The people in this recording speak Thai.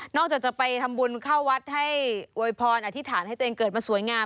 จากจะไปทำบุญเข้าวัดให้อวยพรอธิษฐานให้ตัวเองเกิดมาสวยงาม